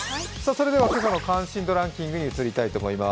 それでは今朝の関心度ランキングに移ります。